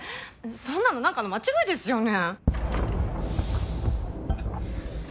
そんなのなんかの間違いですよね？